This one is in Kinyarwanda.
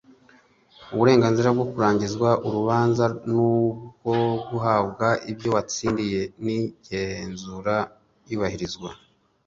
uburenganzira bwo kurangirizwa urubanza n ubwo guhabwa ibyo watsindiye inagenzura iyubahirizwa